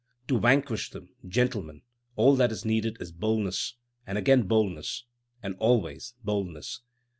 To vanquish them, gentlemen, all that is needed is boldness, and again boldness, and always boldness."